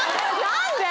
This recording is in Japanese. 何で？